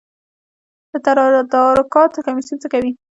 د تدارکاتو کمیسیون څه کوي؟